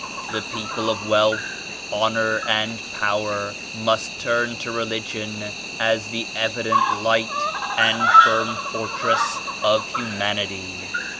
The people of wealth, honor and power must turn to Religion as the evident Light and firm fortress of humanity.